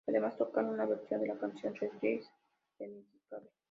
Además tocaron una versión de la canción "Red Right Hand" de Nick Cave.